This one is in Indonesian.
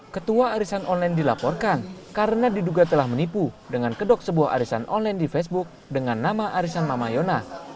ketua arisan online dilaporkan karena diduga telah menipu dengan kedok sebuah arisan online di facebook dengan nama arisan mama yona